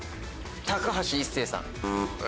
高橋一生さん。